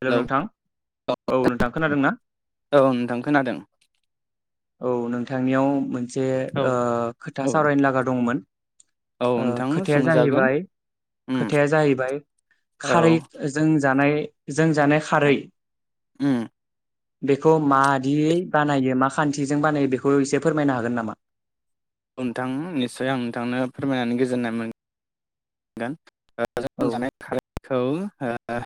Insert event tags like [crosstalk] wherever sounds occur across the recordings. Hello नोंथां औ नोंथां खोनादों ना औ नोंथां खोनादों औ नोंथांनियाव मोन से औ ओ खोथा औ सावरायनो लागा दंमोन औ ओ नोंथां खोथाया सोंजागोन जाहैबाय उम खोथाया जाहैबाय औ खारै जों जानाय जों जानाय खारै उम बेखौ मादियै बानायो मा खान्थिजों बानायो बेखौ एसे फोरमायनो हागोन नामा नोंथां निसय आं नोंथांनो फोरमायनानै गोजोननाय मोन गोन औ जों जानाय खारैखौ ओ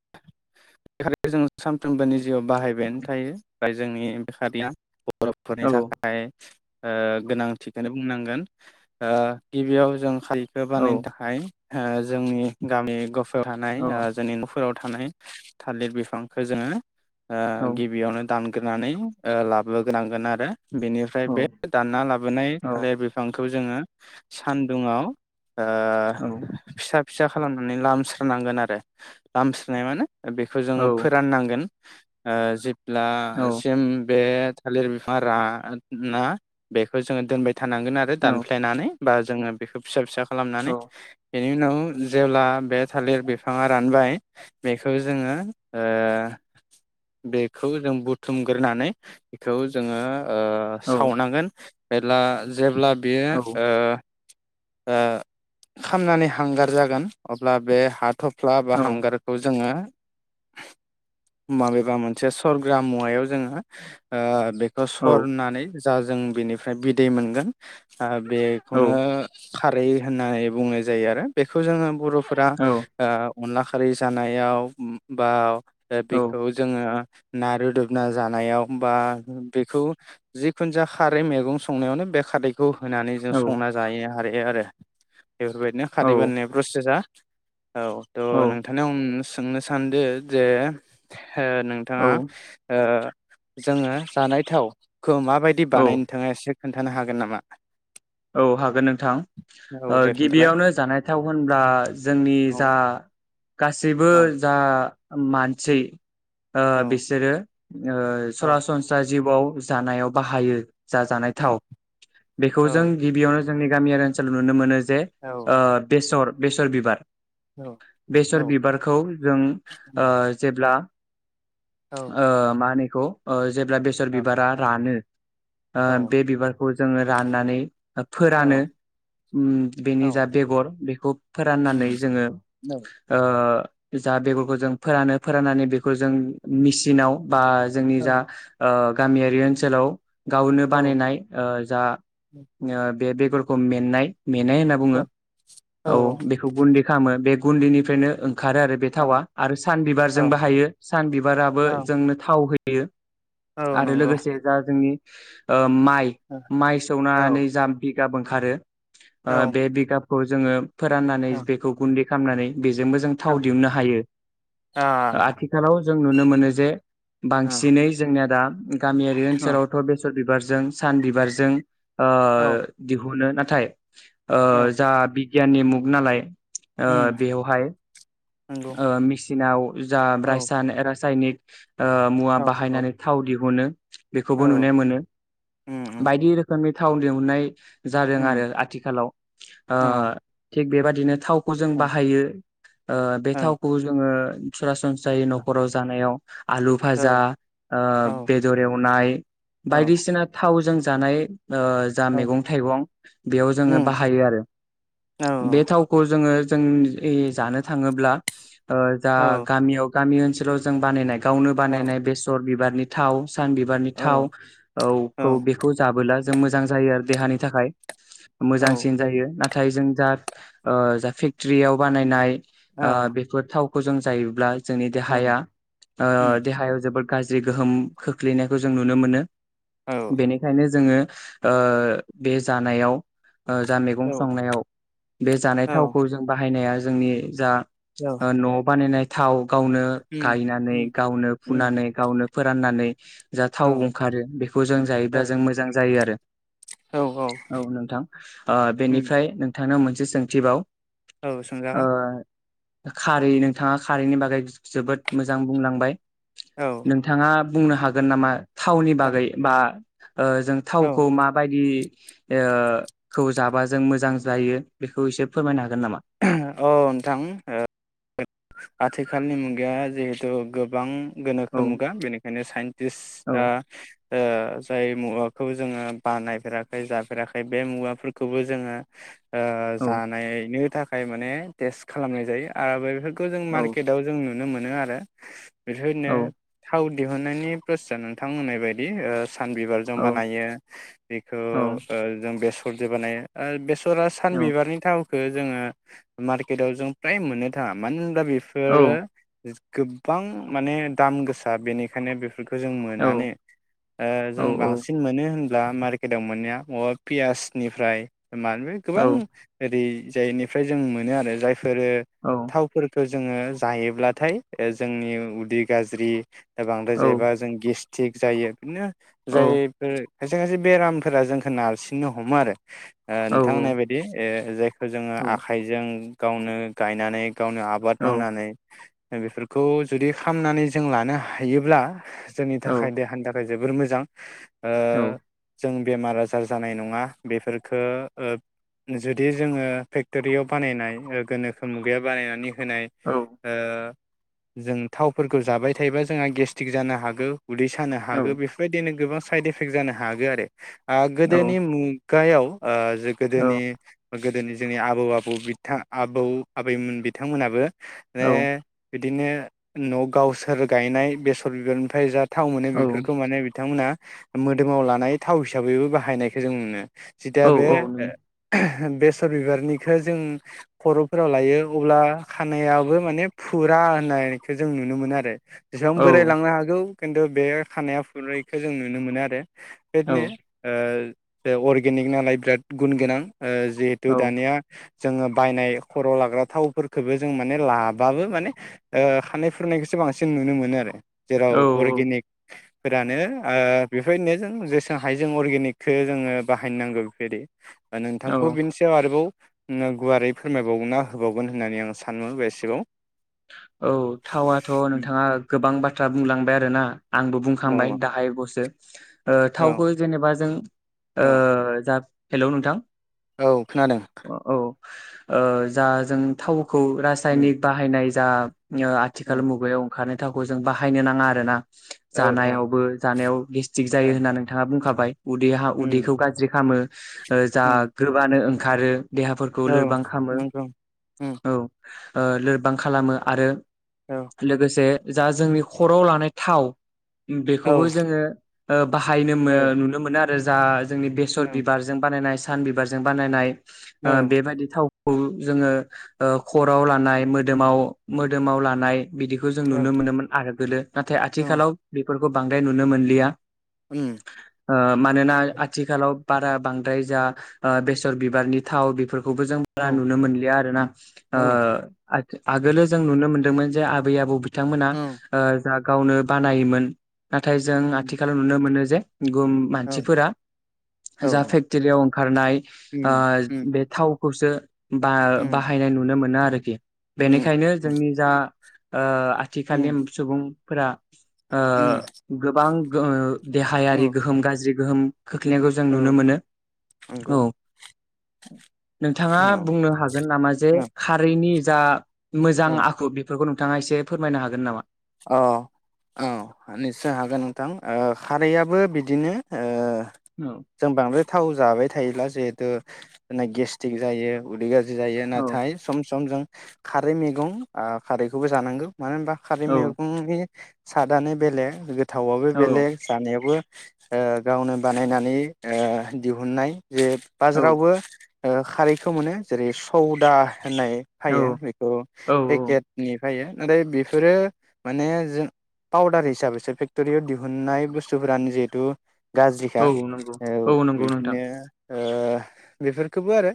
बे जों सानफ्रोमबो जिउआव बाहायबायानो थायो ओमफ्राय जोंनि बे खारैया बरफोरनि औ थाखाय ओ गोनांथिखौनो बुंनांगोन ओ गिबियाव जों खारैखौ औ बानायनो थाखाय जोंनि गामि गफा थानाय औ ओ जोंनि न'खाव थानाय थालिर बिफांखौ जोङो ओ औ गिबियावनो दान ग्रोनानै ओ लाबो गोनांगोन आरो बेनिफ्राय औ बे दानना लाबोनाय औ थालिर बिफांखौ खौ जोङो सान्दुंङाव ओ औ फिसा फिसा खालामनानै लामस्रोनांगोन आरो लामस्रोनाय माने बेखौ औ जोङो फोराननांगोन आ जे ब्ला औ सिम बे थालिर बिफां रा ना बेखौ जोङो दोनबाय थानांगोन आरो औ दानफ्लेनानै बा जोङो बेखौ फिसा फिसा खालामनानै औ बेनि उनाव जेब्ला बे थालिर बिफाङा रानबाय बेखौ जोङो ओ बेखौ जों बुथुमग्रोनानै बेखौ जोङो ओ सावनांगोन मेरला जेब्ला बेयो औ ओ ओ खालामनानै हांगार जागोन अब्ला बे हाथ' फ्ला बा हांगारखौ जोङो माबेबा मोनसे सरग्रा मुवायाव जोङो ओ बे खौ सरनानै जा जों बिनिफ्राय बिदै मोनगोन आ बेखौनो खारै होननाय बुंनाय जायो आरो बेखौ जोङो बर' फोरा ओ अनला खारै जानायाव बा ओ बेखौ जोङो ना रुदोबना जानायाव बा बेखौ जिखुनु जाया खारै मैगं संनायावनो बे खारै खौ होनानै जों औ संना जायो आरो ए आरो बेफोरबायदिनो खारि बानायनाय प्रसेसा [inaudible] औ थ' नोंथांनि [unintelligible] सोंनो सानदो जे हो नोंथाङा औ ओ जोङो जानाय थाव खौ माबायदि औ बानाय नोंथाङा एसे खोन्थानो हागोन नामा? औ हागोन नोंथां औ ओ दे गि खोन्थालाय बियावनो जानायथाव होनब्ला जोंनि औ जा गासैबो औ जा मानसै औ ओ बिसोरो ओ औ सरासनस्रायस जिउआव जानायाव बाहायो जा जानाय औ थाव बेखौ जों गिबियावनो जों गामियारि ओनसोल नुनो मोनो जे औ ओ बेसर बेसर बिबार बेसर औ बिबारखौ जों ओ जेब्ला औ ओ मानि खौ ओज जेब्ला बेसर बिबारा रानो ओ औ उम औ बे बिबारखौ जोङो राननानै आ औ फोरानो उम बेनि जा बेगर बेखौ फोराननानै जोङो ओ जा बेगरखौ जों फोरानो फोराननानै बेखौ जों मिचिनाव बा जोंनि जा ओ गामियारि ओनसोलाव गावनो बानायनाय ओ जा बे बेगरखौ मेननाय मेनाय होनना बुङो औ बेखौ गुन्दै खामो बे गुन्दैनिफ्रायनो ओं खारो आरो बे औ थावा आरो सान औ बिबारजोंबो हायो सान बिबाराबो औ जोंनो थाव होय बेयो औ आरो नंगौ लोगोसे जा जोंनि ओ माइ औ माइ औ सौनानै जाम बिगाब ओंखारो आ औ बे बिगाब खौ जोङो फोराननानै बेखौ गुन्दै खामनानै बेजोंबो जों थाव दिहुननो हायो आ आथिखालाव जों नुनो मोनो जे औ बांसिनै जोंनिया दा गामियारि ओनसोलावथ' बेसर बिबार जों सान बिबारजों ओ औ नो दिहुनो [unintelligible] नाथाय ओ औ जा बि गियाननि मुगनालाय ओ उम बेवहाय नंगौ ओ मेचिनाव जा औ रासायन-रासायनिक [unintelligible] ओ मुवा औ औ बाहायनानै थाव दिहुनो बेखौबो औ नुनो मोनो उम उम बायदि रोखोमनि थाव दिहुननाय जादों आरो उम आथिखालाव औ ओ थिग बेबायदिनो थाव खौ जों औ बाहायो ओ बे औ थावखौ जोङो ओ सरासन जायो न'खराव जानायाव आलु औ फाजा ओ औ बेदर एवनाय औ बायदिसिना थावजों जा जानाय ओ जा मैगं थाइगं बेयाव जोङो उम बाहायो आरो औ बे थावखौ जोङो जों ओइ जानो थाङोब्ला ओ जा औ गामियाव गामि ओनसोलाव जों बानायनाय गावनो बानायनाय बेसर बिबारनि थाव सान बिबारनि औ थाव औ खौ बेखौ जाबोला जों मोजां जायो आरो देहानि थाखाय मोजांसिन जायो ना थाय जों जाद ओ जा फेक्टरियाव बानायनाय औ ओ बेफोर थाव खौ जों जायोब्ला जोंनि देहाया उम ओ उम औ उम देहायाव जोबोद गाज जि गोहोम खोख्लैनायखौ जों नुनो मोनो। औ बेनिखायनो जोङो ओ बे जानायाव ओ जा मैगं संनायाव बे जानाय थावखौ जों बाहायनाया जोंनि जा ओ न'आव बानायनाय थाव गावनो गायनानै गावनो फुनानै गावनो फोराननानै जा थाव ओंखारो बेखौ जों जायोब्ला जों मोजां जायो आरो। औ औ औ नोंथां ओ उम बेनिफ्राय नोंथांनो मोन से सोंथि बाव औ सोंजागोन खारै नोंथाङा खारैनि बागै जोबोद मोजां बुंलांबाय औ औ नोंथाङा बुंनो हागोन नामा थावनि बागै बा ओ जों थावखौ माबायदि ओ खौ जाबा जों मोजां जायो बेखौ एसे फोरमायना हाग अ नोंथां ओ आथिखालनि मुगाया जिहेथु गोबां औ गोनोखो मुगा बेनिखायनो साइन्टिस्टआ औ ओ जाय मुवाखौ जोङो बानायफेराखै जाफेराखै बे मुवाफोरखौबो जोङो ओ औ जानायनो थाख खाय माने टेस्ट खालामनाय जायो आबो बेफो खो जों औ मार्केटआव जोंओ नुनो मोनो आरो बेफोरनो औ थाव दिहुननायनि प्रसेआ नोंथां होननाय बायदि ओ सान बिबार जों औ बानायो बेखौ औ जों बेस बानाय आरो बे सरा औ सानबिबारनि थाव खो जोङो मार्केटव जों फ्राय मोननो थाङा मानो होनबा बे औ फोरो गोबां माने दाम गोसा बेनिखायनो बेफोर जों मोननानै ओ जों बांसिन मोनो होन ब्ला मार्केटाव मोननाया बा पियासनिफ्राय माने औ गोबां ओरै जायनि ओमफ्राय जों मोनो आरो जाय फोरो थावफोरखौ जोङो जायोब्लाथाय जोंनि उदै गाज्रि बांद्राय औ जायोबा जों गेस थि जायो बिनो जायफोर खायसे खायसे बेरामफोरा जोंखौ नारसिननो हमो आरो ओ नोंथांहोननाय बायदि ओ जायखौ जोङो आखाइजों गावनो गायनानै गावनो औ आबाद औ मावनानै बेफोरखौ जुदि खामनानै जों लानो हायोब्ला जोंनि थाखाय देहानि थाखाय जोबोर मोजां ओ जों बेमार आजार जानाय नङा बेफोरफोरखो ओ जुदि जोङो रियाव बानायनाय ओ गोनोखो मुगाया बानायनानै होनाय ओ जों थावफोरखौ जाबाय थायोबा जोंआ गेस्टक जानो हागौ उदै सानो हागौ बेफोरबायदिनो गोबां साइड एफेक्ट जानो हागो आरो आ औ गोदो मु गायाव ओ जे गोदोनि गोदोनि जोंनि आब आबौ आबौ बिथा आबौ आबैमोन बिथांमोनाबो [unintelligible] बिदिनो न' गावसोर गायनाय बेसर बिबारनिफ्राय जा थाव मोनो बेफोरखौ माने बिथांमोना मोदोमाव लानाय थाव हिसाबैबो बाहायनायखो जों नुनो जिथिया बे औ नुयो [unintelligible] बेसर बिबारनि बेखौ जों खर'फोराव लायो अब्ला खानायाबो माने फुरा होननायखौ जों नुनो मोनो आरो जेसेबां औ बोरायलांनो हागौ खिन्थु बे खानाया फुरैखो जों नुनो मोनो आरो औ बेदिनो ओ बे अर्गेनिक नालाय बिराद गुन गोनां ओ औ जिहेथु दानिया जोङो बायनाय खर' लाग्रा थावफोरखौबो जों माने लाबाबो माने ओ खानाय फुरनायखौसो बांसिन नुनो मोनो आरो जेराव औ अर्गेनिक फोरानो ओ बेफायदिनो जों जेसे हाय जों अर्गेनिकखो जोङो बाहायनो नांगौ बेफोरबायदि ओ नोंथांखौबो औ बिनि सायाव आरोबाव [unintelligible] गुवारै फोरमायबावना होबावगोन होननानै आं सानो बेसेबाव औ थावआथ' नोंथाङा गोबां बाथ्रा बुंलांबाय आरोना आंबो बुं खांबाय औ दाहाय ब सो ओ औ थावखौ जेनेबा जों ओ औ जा हेलौ नोंथां औ खोनादों औ ओ जा जों थाव खौ उम रासायनिक बाहायनाय जा नो आथिखाल उम मुगायाव खारनाय थावखौ जों बाहायनो नाङा आरो ना औ औ जानायावबो जानायाव गेस्टिक जायो होनना नोंथाङा बुंखाबाय उदैहा उम उदैखौ गाज्रि खालामो [inaudible] ओ उम जाग्रोबानो खारो देहाफोरखौ औ लोरबां खामो नंगौ उम औ ओ लोरबां खालामो आरो औ लोगोसे जा जोंनि खराव लानाय थाव औ बेखौबो जोङो ओ बाहायनो मो औ नुनो मोनो आरो जा जोंनि बेसर उम बिबारजों बानायनाय सान बिबारजों बानायनाय ओ औ बेबायदि थाव खौजोङो ओ खराव लानाय मो दोमाव मोदोमाव लानाय बिदिखौ जों औ नुनो मोनोमोन आरो [unintelligible] नाथाय औ आथिखालाव बे फोरखौ बांद्राय नुनो मोनलिया उम ओ मानोना आथिखालाव बारा बांद्राय जा ओ बेसर बिबारनि थाव बेफोर खौबो जों बारा औ नुनो मोनलिया आरोना ओ औ आ आगोलो जों नुनो मोनदोंमोन जे आबै आबौ बिथांमोना उम ओ गावनो बानायोमोन नाथाय जों आथिखालाव नुनो मोनो जे गुबुन औ मानसिफोरा जा औ फेक्टरियाव ओंखारनाय आ उम उम बे थाव खौसो बा उम बाहायनाय नुनो मोनो आरो आरोखि बेनिखायनो जोंनि जा ओ उम आथिखालनि उम सुबुं फोरा ओ उम गोबां गो औ देहायारि गोहोम गाज्रि गोहोम खोख्लैनायखौ जों औ नुनो मोनो नंगौ औ [inaudible] औ नोंथाङा बुंनो हागोन नामा जे खारैनि जा औ मोजां आखु बेफोरखौ नों थाङा एसे फोरमायनो हागोन नामा? अ औ निस्य हागोन नोंथां ओ खारैयाबो बिदिनो ओ औ जों बांद्राय थाव जाबाय थायोब्ला जिहेतु जोंना गेस्टिक जायो उदै गा ज्रि जायो औ नाथाय सम सम जों खारै मैगं आ खारैखौबो जानांगौ मानो होनबा खारै औ मै नि सादानो बेलेग थावाबो औ बेलेग जानायाबो ओ गावनो बानायनानै ओ दिहुननाय जे औ बाजारावबो ओ खारैखौ मोनो जेरै सौदा होननाय फायो औ बेखौ औ पेकेटनि जायो नाथाय बेफोरो माने जो पाउदार हिसाबैसो फेक्ट'रियाव दिहुननाय बुस्थुफोरानो जिहेतु गाज्रिखा औ नंगौ औ नंगौ नोंथां बिदिनो ओ बेफोरखौबो आरो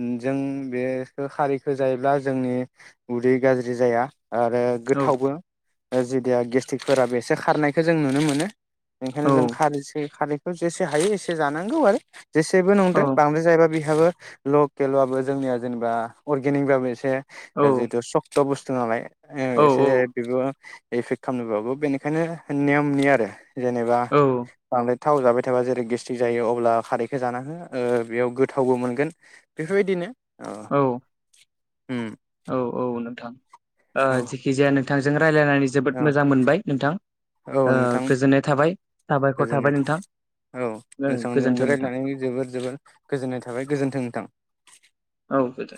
ओम जों बेखो खारिखो जायोब्ला जोंनि उदै गाज्रि जाया आरो औ गोथावबो जेदिया गेस्ट्रिकफोराबो एसे खारनायखौ जों नुनो मोनो ओंखायनो औ जों खारैसै खारै जेसे हायो एसे जानांगौ आरो जेसेबो औ नंदों बांद्राय जायोबा बि बेहाबो लकेल बाबो जोंनिया जेनेबा अर्गेनिक बाबो एसे जितु सक स' बुस्थु नालाय औ एसे औ बेबो एफेक्ट खालामनोबाबो बेनिखायनो नेयमनि आरो जेनेबा औ बांद्राय थाव जाबाय थाबा जेरै गेस्ट्रिक जायो अब्ला खारैखौ जाना हो ओ बेयाव गोथावबो मोनगोन बेफोरबायदिनो औ उम औ औ नोंथां आ औ जेखिजाया नों बिथांजों औ औ ओ नोंथां गोजोननाय थाबाय साबायखर थाबाय गोजोननाय नोंथां थाबाय औ ओ नोंथां जोंबो गोजोन्थों नोंथां। रायलायनानै जोबोर जोबोर गोजोननाय थाबाय गोजोन्थों नोंथां औ गोदो